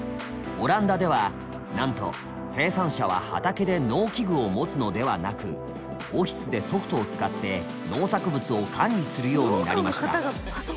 オランダではなんと生産者は畑で農機具を持つのではなくオフィスでソフトを使って農作物を管理するようになりました。